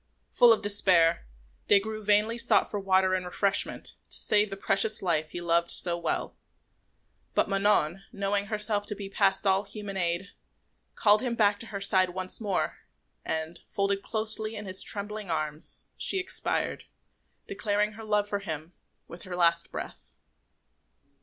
Full of despair, Des Grieux vainly sought for water and refreshment, to save the precious life he loved so well; but Manon, knowing herself to be past all human aid, called him back to her side once more, and, folded closely in his trembling arms, she expired, declaring her love for him with her last breath.